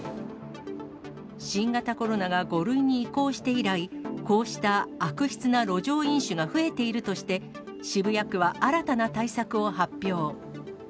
新型コロナが５類に移行して以来、こうした悪質な路上飲酒が増えているとして、渋谷区は新たな対策を発表。